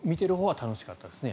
楽しかったです